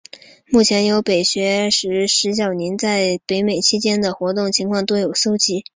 目前有北美学人石晓宁对其在北美期间的活动情况多有搜辑。